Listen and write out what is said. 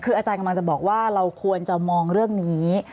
คืออาจารย์กำลังจะบอกว่าเราควรจะมองเรื่องนี้